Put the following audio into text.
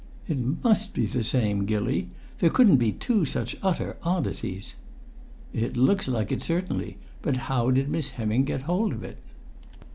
"It must be the same, Gilly! There couldn't be two such utter oddities!" "It looks like it, certainly; but how did Miss Hemming get hold of it?"